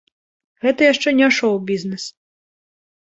Гэта яшчэ не шоў-бізнэс.